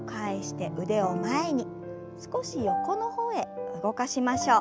少し横の方へ動かしましょう。